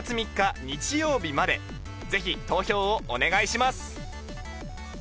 ぜひ投票をお願いします。